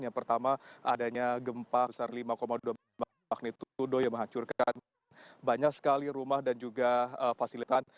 yang pertama adanya gempa besar lima dua magnitudo yang menghancurkan banyak sekali rumah dan juga fasilitas